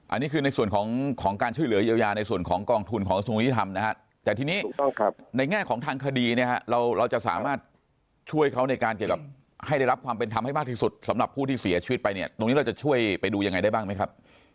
อันนี้คือในส่วนของการช่วยเหลือเยียวยาในส่วนของกองทุนของกระทรวงยุติธรรมนะฮะแต่ทีนี้ในแง่ของทางคดีเนี่ยเราจะสามารถช่วยเขาในการเกี่ยวกับให้ได้รับความเป็นธรรมให้มากที่สุดสำหรับผู้ที่เสียชีวิตไปเนี่ยตรงนี้เราจะช่วยไปดูยังไงได้บ้างไหมครับ